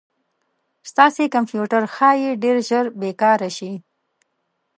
ستاسې کمپیوټر ښایي ډير ژر بې کاره شي